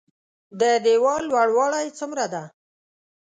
د ديوال لوړوالی څومره ده؟